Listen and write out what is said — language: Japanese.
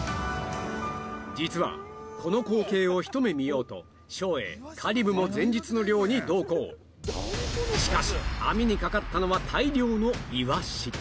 実はこの光景を一目見ようと照英香里武も前日の漁に同行しかし網にかかったのは大漁のイワシ！